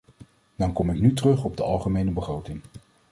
Dan kom ik nu terug op de algemene begroting.